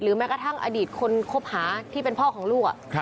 แม้กระทั่งอดีตคนคบหาที่เป็นพ่อของลูก